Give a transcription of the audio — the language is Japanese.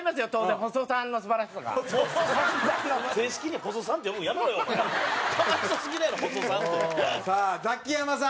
蛍原：さあ、ザキヤマさん。